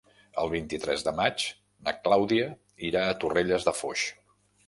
El vint-i-tres de maig na Clàudia irà a Torrelles de Foix.